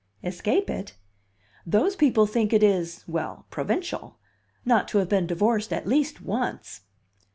"Escape it? Those people think it is well, provincial not to have been divorced at least once!"